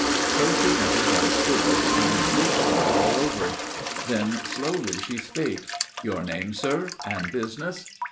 So she entered and stood, and looked me all over. Then slowly she spake. "Your name, sir, and business?"